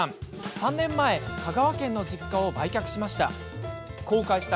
３年前香川県の実家を売却しました。